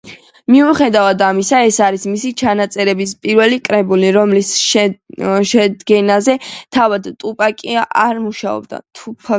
მიუხედავად ამისა, ეს არის მისი ჩანაწერების პირველი კრებული, რომლის შედგენაზე თავად ტუპაკი არ მუშაობდა.